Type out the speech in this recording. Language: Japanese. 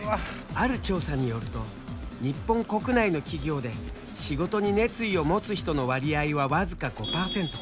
ある調査によると日本国内の企業で仕事に熱意を持つ人の割合は僅か５％。